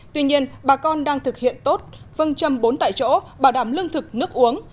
tuy nhiên bà con đang thực hiện tốt vâng châm bốn tại chỗ bảo đảm lương thực nước uống